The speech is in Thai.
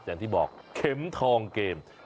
อย่างที่บอกเข็มทองเกม